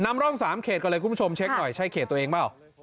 นำร่อง๓เขตก่อนเลยคุณผู้ชมเช็คหน่อยใช่เขตตัวเองเปล่า